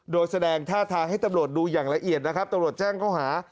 โดยแสดงท่าทางให้ตำรวจดูอย่างละเอียดนะครับตำรวจแจ้งเขาหา